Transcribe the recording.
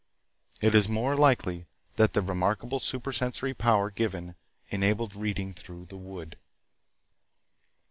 It is more likely that the remarkable supersensory power given enabled reading through the wood.